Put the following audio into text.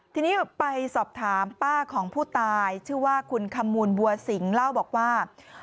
ทีนี้ไปสอบถามป้าของผู้ตายชื่อว่าคุณขมูลบัวสิงเล่าบอกว่า